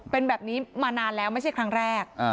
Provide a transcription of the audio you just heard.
เป็นแบบนี้มานานแล้วไม่ใช่ครั้งแรก